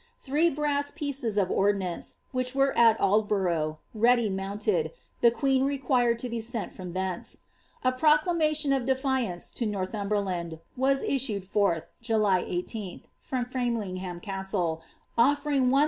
Thire brass pieces of ordnance, which were ai Aldboniugh. resdf I tnoutited, the queen required to be sent from thence. A praclamaltoA of tleJiancc to Nonhumberland was issued furlh, July 18lh, from Fram> lingham Castle, offering 1000